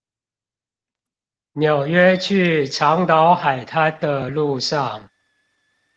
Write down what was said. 紐約去長島海灘的路上